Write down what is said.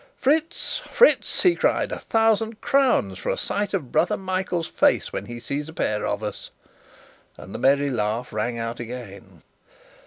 "Fritz, Fritz!" he cried, "a thousand crowns for a sight of brother Michael's face when he sees a pair of us!" and the merry laugh rang out again.